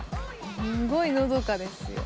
すごいのどかですよ。